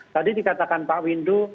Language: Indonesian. tadi dikatakan pak windu